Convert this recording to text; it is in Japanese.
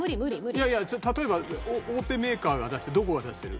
いやいや例えば大手メーカーが出してるどこが出してる？